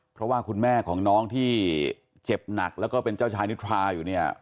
เพราะว่าคุณแม่ของน้องที่เจ็บหนักแล้วก็เป็นเจ้าชายนิทราอยู่เนี่ย